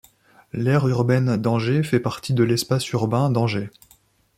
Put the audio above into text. L'aire urbaine d'Angers fait partie de l'espace urbain d'Angers.